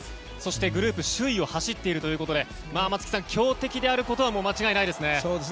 そしてグループ首位を走っているということで松木さん、強敵であることは間違いないですね。